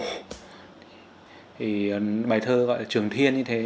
thì bài thơ gọi là trường thiên như thế